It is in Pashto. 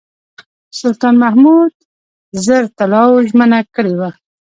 سلطان محمود زر طلاوو ژمنه کړې وه.